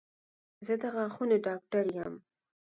زه د غاښونو ډاکټر یم